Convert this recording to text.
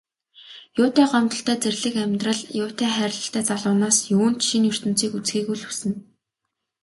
Юутай гомдолтой зэрлэг амьдрал, юутай хайрлалтай залуу нас, юунд шинэ ертөнцийг үзэхийг үл хүснэ.